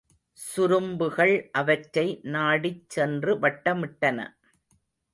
சுரும்புகள் அவற்றை நாடிச் சென்று வட்ட மிட்டன.